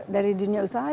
dari dunia usaha